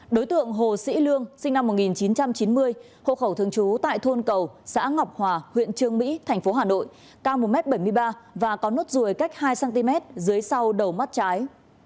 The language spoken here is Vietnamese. đối tượng hồ sĩ lương sinh năm một nghìn chín trăm chín mươi hộ khẩu thường trú tại thôn cầu xã ngọc hòa huyện trương mỹ thành phố hà nội cao một m bảy mươi ba và có nốt ruồi cách hai cm dưới sau đầu mắt trái